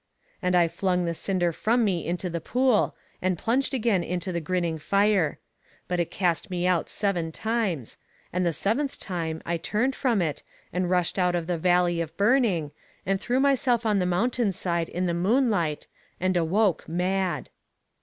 And I flung the cinder from me into the pool, and plunged again into the grinning fire. But it cast me out seven times, and the seventh time I turned from it, and rushed out of the valley of burning, and threw myself on the mountain side in the moonlight, and awoke mad.